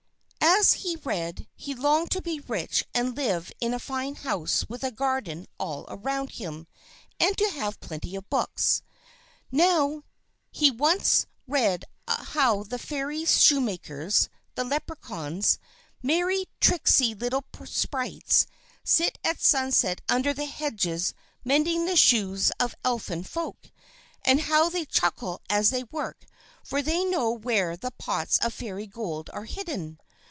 And as he read, he longed to be rich and live in a fine house with a garden all round him, and to have plenty of books. Now he once read how the Fairies' Shoemakers, the Leprechauns merry, tricksy little sprites sit at sunset under the hedges mending the shoes of Elfin Folk. And how they chuckle as they work, for they know where the pots of Fairy Gold are hidden.